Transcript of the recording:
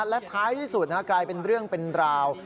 และท้ายที่สุดกลายเป็นเรื่องเป็นราว